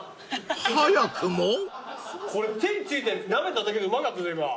これ手についたやつなめただけでうまかったぞ。